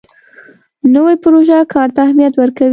نوې پروژه کار ته اهمیت ورکوي